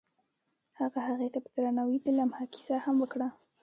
هغه هغې ته په درناوي د لمحه کیسه هم وکړه.